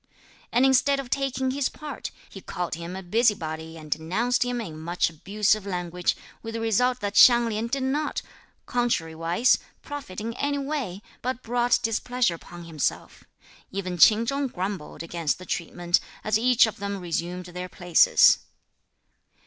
And instead (of taking his part), he called him a busybody and denounced him in much abusive language, with the result that Hsiang Lin did not, contrariwise, profit in any way, but brought displeasure upon himself. Even Ch'in Chung grumbled against the treatment, as each of them resumed their places.